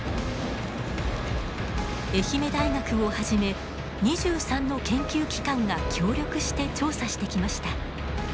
愛媛大学をはじめ２３の研究機関が協力して調査してきました。